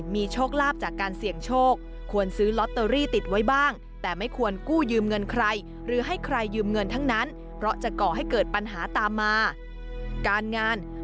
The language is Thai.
มีโชคลาภจากการเสี่ยงโชคควรซื้อล็อตเตอรี่ติดไว้บ้าง